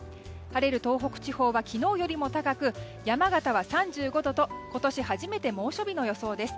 晴れる東北地方は昨日よりも高く山形は３５度と今年初めて猛暑日の予想です。